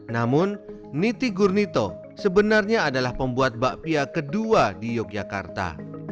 namun niti gurnito sebenarnya adalah pembuat bakpia kedua di yogyakarta